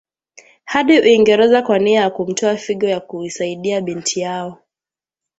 hadi Uingereza kwa nia ya kumtoa figo ya kuisadia binti yao